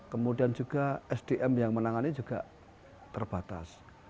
kemudian juga sdm yang menangani juga terbatas